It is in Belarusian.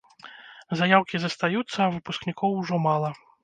Заяўкі застаюцца, а выпускнікоў ужо мала.